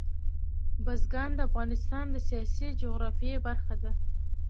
بزګان د افغانستان د سیاسي جغرافیه برخه ده.